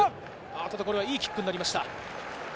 これは、いいキックになりました。